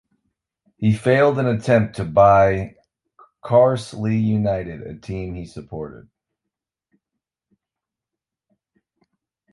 He failed in an attempt to buy Carlisle United, a team he supported.